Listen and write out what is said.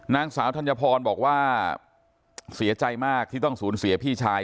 นางสาวธัญพรบอกว่าเสียใจมากที่ต้องสูญเสียพี่ชาย